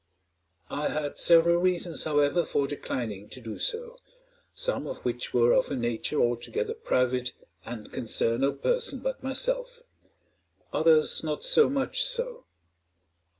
I had several reasons, however, for declining to do so, some of which were of a nature altogether private, and concern no person but myself; others not so much so.